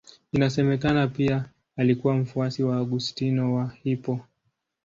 Inasemekana pia alikuwa mfuasi wa Augustino wa Hippo.